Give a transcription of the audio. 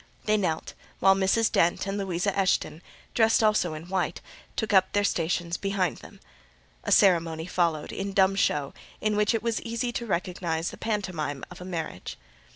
They knelt; while Mrs. Dent and Louisa Eshton, dressed also in white, took up their stations behind them. A ceremony followed, in dumb show, in which it was easy to recognise the pantomime of a marriage.